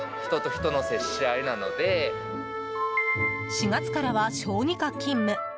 ４月からは、小児科勤務。